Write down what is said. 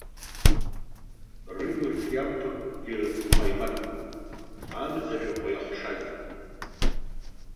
Рыҩрҿиамҭакгьы ҟаимаҭқәоуп, амза шәахәа иахшаз.